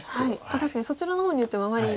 確かにそちらの方に打ってもあまり。